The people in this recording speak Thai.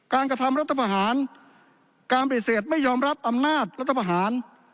การกระทำรัฐธรรมหาลการบริเศษไม่ยอมรับอำนาจรัฐธรรมหาล